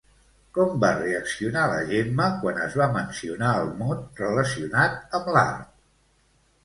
Com va reaccionar la Gemma quan es va mencionar el mot relacionat amb l'art?